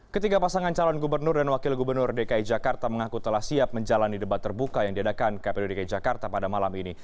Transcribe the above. ketiga pasangan calon gubernur dan wakil gubernur dki jakarta mengaku telah siap menjalani debat terbuka yang diadakan kpu dki jakarta pada malam ini